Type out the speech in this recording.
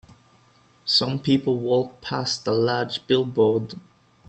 Some people walk past a large billboard.